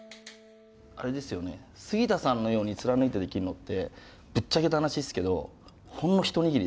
あれですよね杉田さんのように貫いてできるのってぶっちゃけた話ですけどほんの一握りですよ。